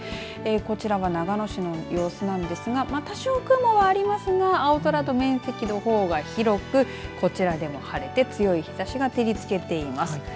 こちらは長野市の様子なんですが多少雲がありますが青空の面積の方が広くこちらでも晴れて強い日ざしが照りつけています。